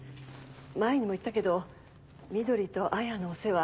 前にも言ったけど碧と彩のお世話